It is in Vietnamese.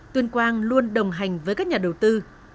tuyên quang luôn đồng hành với các nhà đầu tư